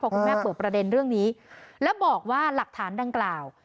คุณแม่เปิดประเด็นเรื่องนี้แล้วบอกว่าหลักฐานดังกล่าว